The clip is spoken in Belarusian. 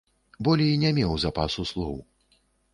Болей не меў запасу слоў.